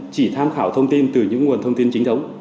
chỉ tham khảo thông tin từ những nguồn thông tin chính thống